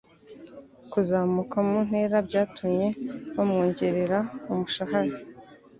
Kuzamuka mu ntera byatumye bamwongerera umushahara